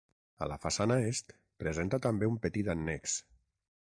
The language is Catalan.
A la façana est presenta també un petit annex.